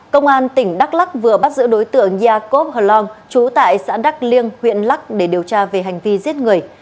công an tỉnh đắk lắc vừa bắt giữ đối tượng jacob hlon chú tại xã đắk liêng huyện lắc để điều tra về hành vi giết người